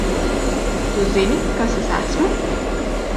Tu zini, kas es esmu?